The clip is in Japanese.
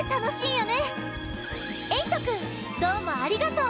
えいとくんどうもありがとう！